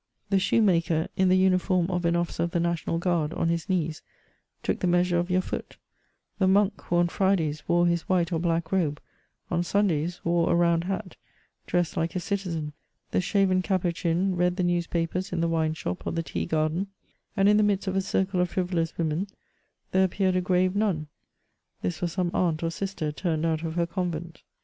The shoemaker, in the uniform of an officer of the National Guard, on his knees, took the mea sure of your foot ; the monk, who on Fridays wore his white or black robe, on Sundays wore a round hat, dressed like a citizen ; the shaven Capuchin read the newspapers in the wine shop or the tea garden, and in the midst of a circle of frivolous women, there appeared a grave nun ; this was some aunt or sister turned out of her convent.